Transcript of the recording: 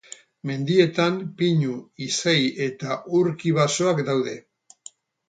Mendietan pinu, izei eta urki basoak daude.